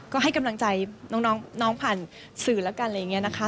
ก็ให้กำลังใจน้องผ่านสื่อแล้วกันอะไรอย่างนี้นะคะ